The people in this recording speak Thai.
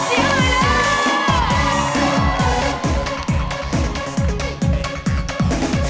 เสียบรรยาภาพ